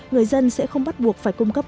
người dân sẽ không bắt buộc phải cung cấp